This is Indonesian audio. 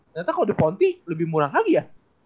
ternyata kalau di ponti lebih murah lagi ya